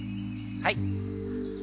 はい。